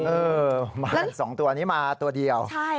โอ้โหสองตัวนี้มาตัวเดียว